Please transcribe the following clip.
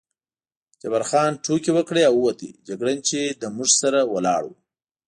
جبار خان ټوکې وکړې او ووت، جګړن چې له موږ سره ولاړ و.